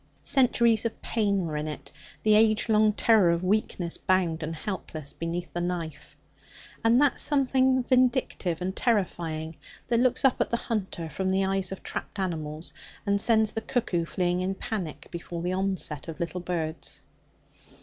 Centuries of pain were in it, the age long terror of weakness bound and helpless beneath the knife, and that something vindictive and terrifying that looks up at the hunter from the eyes of trapped animals and sends the cuckoo fleeing in panic before the onset of little birds.